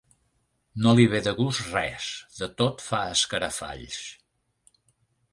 No li ve de gust res: de tot fa escarafalls.